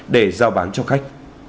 để giao bán cho khách